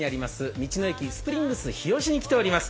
道の駅スプリングスひよしに来ています。